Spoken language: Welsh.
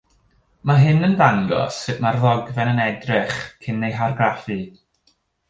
Mae hyn yn dangos sut mae'r ddogfen yn edrych cyn ei hargraffu.